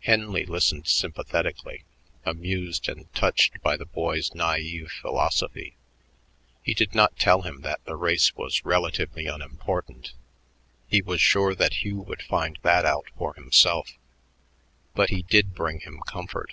Henley listened sympathetically, amused and touched by the boy's naive philosophy. He did not tell him that the race was relatively unimportant he was sure that Hugh would find that out for himself but he did bring him comfort.